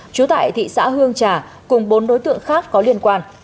trú tại thị xã hương trà cùng bốn đối tượng khác có liên quan